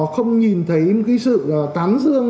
không nhìn thấy cái sự tán dương